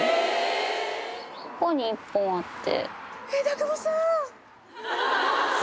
ここに１本あって。